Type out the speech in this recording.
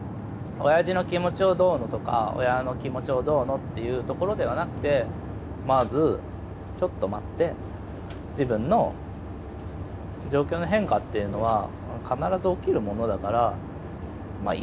おやじの気持ちをどうのとか親の気持ちをどうのっていうところではなくてまずちょっと待って自分の状況の変化っていうのは必ず起きるものだからまあ